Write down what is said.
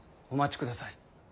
お待ちください。